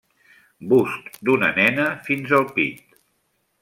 Bust d'una nena fins al pit.